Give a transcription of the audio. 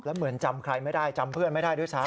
เหมือนจำใครไม่ได้จำเพื่อนไม่ได้ด้วยซ้ำ